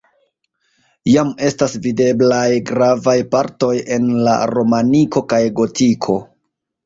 Jam estas videblaj gravaj partoj en la romaniko kaj gotiko.